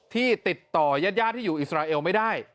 ติดต่อยาดที่อยู่อิสราเอลไม่ได้